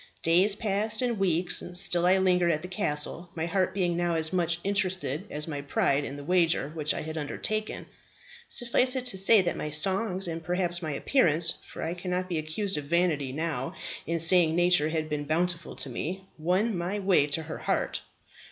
"Days passed, and weeks; still I lingered at the castle, my heart being now as much interested as my pride in the wager which I had undertaken. Suffice it to say, that my songs, and perhaps my appearance for I cannot be accused of vanity now in saying nature had been bountiful to me won my way to her heart.